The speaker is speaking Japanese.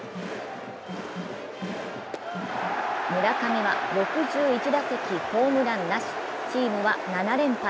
村上は６１打席ホームランなし、チームは７連敗。